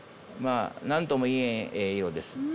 まあ何とも言えんええ色です。